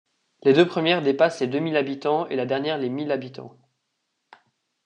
Les deux premières dépassent les deux mille habitants et la dernière les mille habitants.